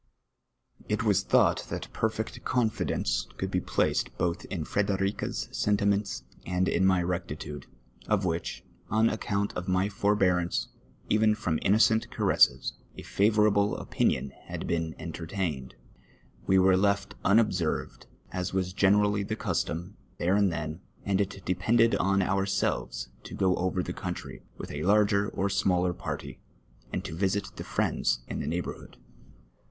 It was thought that perfect confidence could be i)laced both in Frederica's sentiments and in my rectitude, of which, on account of my forbearance even from innocent caresses, a favourable oi)inion had been entertained. AVc were left unob sei'ved, as was generally the custom, there and then, and it depended on ourselves to go over the coinitry, with a larger or smaller party, and to visit the friends in the neighbourhood. 2 1) 402 TRiTTir AND roETEY ; rnoM my own life.